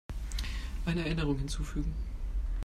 Eine Erinnerung hinzufügen.